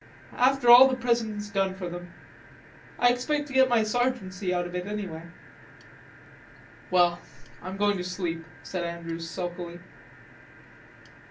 after all the President's done for them. I expect to get my sergeantcy out of it anyway." "Well, I'm going to sleep," said Andrews sulkily.